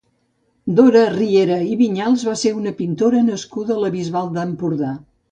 Dora Riera i Viñals va ser una pintora nascuda a la Bisbal d'Empordà.